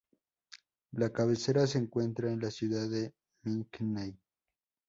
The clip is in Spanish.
La cabecera se encuentra en la ciudad de McKinney.